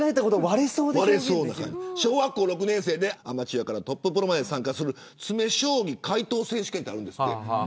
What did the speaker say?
小学校６年生でアマチュアからトッププロまで参加する詰将棋解答選手権があるんですって。